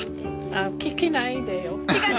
聞きないでよ。